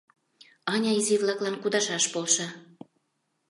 Аня изи-влаклан кудашаш полша.